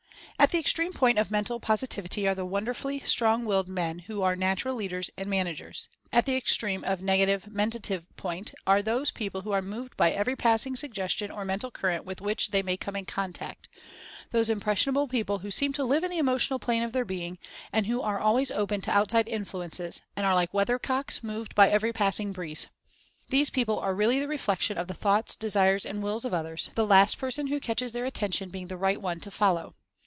At the extreme point of Mentative Positivity are the wonderfully strong willed men who are "natural leaders" and managers. At the extreme Negative Mentative point are those people who are moved by every passing suggestion or mental current with which they may come in contact — those impressionable people who seem to live in the emotional plane of their being, and who are always open to outside influences, and are like weather cocks moved by every passing breeze. These people are really the reflection of the thoughts, desires and wills of others — the last person who catches 62 Mental Fascination their attention being the "right one" to follow.